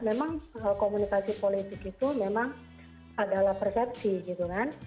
memang komunikasi politik itu memang adalah persepsi gitu kan